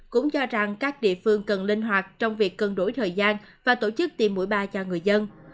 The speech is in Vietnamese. cũng cho rằng các địa phương cần linh hoạt trong việc cân đổi thời gian và tổ chức tiêm mũi ba cho người dân